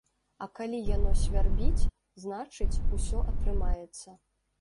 А калі яно свярбіць, значыць, усё атрымаецца.